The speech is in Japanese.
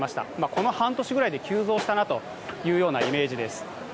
この半年ぐらいで急増したなというイメージです。